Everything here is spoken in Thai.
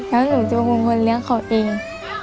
แล้วหนูจะคงควรเลี้ยงเขาเอง